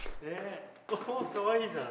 かわいいじゃん。